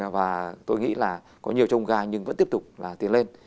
và tôi nghĩ là có nhiều trông gai nhưng vẫn tiếp tục là tiến lên